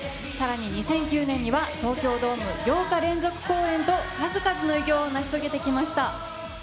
さらに２００９年には、東京ドーム８日連続公演と、数々の偉業を成し遂げてきました。